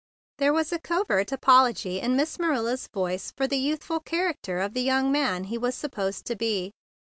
There was covert apology in Miss Marilla's voice for the youthful char¬ acter of the young man he was sup¬ posed to be.